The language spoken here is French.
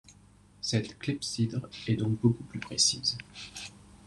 Cette clepsydre est donc beaucoup plus précise.